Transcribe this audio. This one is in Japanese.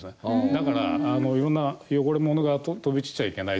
だから、いろんな汚れ物が飛び散っちゃいけないと。